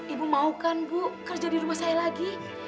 ibu mau kan bu kerja di rumah saya lagi